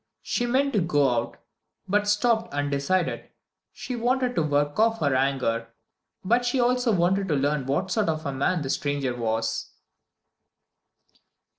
She meant to go out, but stopped undecided she wanted to work off her anger, but she also wanted to learn what sort of a man the stranger was.